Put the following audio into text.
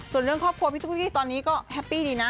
ส่วนเรื่องครอบครัวพี่ตุ๊กกี้ตอนนี้ก็แฮปปี้ดีนะ